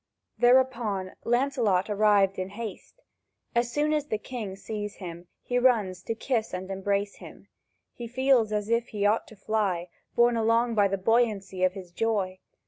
Thereupon Lancelot arrived in haste. As soon as the king sees him, he runs to kiss and embrace him. He feels as if he ought to fly, borne along by the buoyancy of his joy.